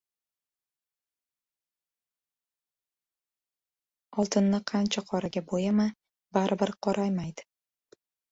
• Oltinni qancha qoraga bo‘yama, baribir qoraymaydi.